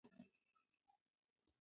ایا پښتانه مشران په خپل منځ کې متحد وو؟